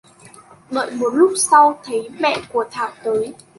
Đợi một lúc sau thấy mẹ của Thảo tới